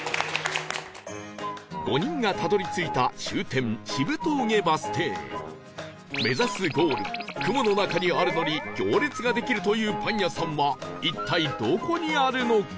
５人がたどり着いた終点、渋峠バス停目指すゴール雲の中にあるのに行列ができるというパン屋さんは一体、どこにあるのか？